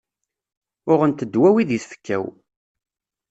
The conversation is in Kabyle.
Uɣent ddwawi deg tfekka-w.